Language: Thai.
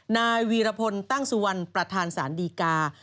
นายวีรพลตั้งสู่วันประธานสารดีกา